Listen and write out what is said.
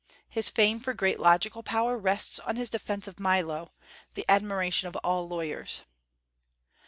His fame for great logical power rests on his defence of Milo, the admiration of all lawyers.